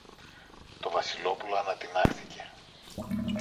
Το Βασιλόπουλο ανατινάχθηκε.